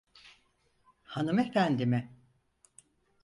Hanımefendi mi?